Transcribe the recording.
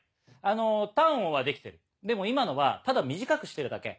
短音はできてるでも今のはただ短くしてるだけ。